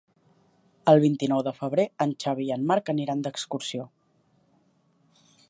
El vint-i-nou de febrer en Xavi i en Marc aniran d'excursió.